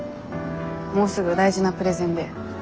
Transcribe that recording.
もうすぐ大事なプレゼンでやばい。